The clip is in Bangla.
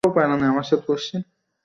এপ্রিলের শেষে চিকাগো যাব বলে মনে করছি।